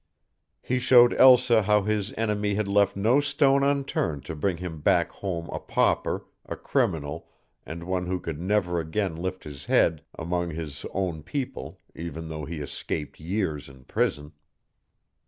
He showed Elsa how his enemy had left no stone unturned to bring him back home a pauper, a criminal, and one who could never again lift his head among his own people even though he escaped years in prison.